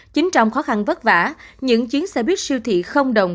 chính trong khó khăn vất vả những chuyến xe buýt siêu thị không đồng